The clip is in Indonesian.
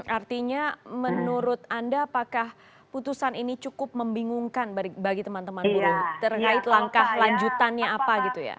artinya menurut anda apakah putusan ini cukup membingungkan bagi teman teman buruh terkait langkah lanjutannya apa gitu ya